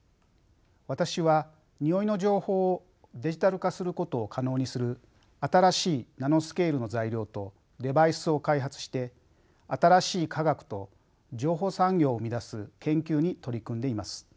私はにおいの情報をデジタル化することを可能にする新しいナノスケールの材料とデバイスを開発して新しい化学と情報産業を生み出す研究に取り組んでいます。